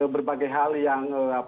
berbagai hal yang